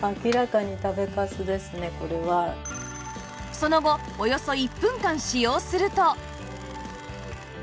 その後およそ１分間使用すると